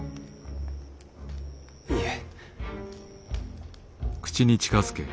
いえ。